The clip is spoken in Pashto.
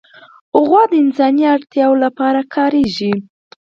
غوا د انساني اړتیاوو لپاره کارېږي.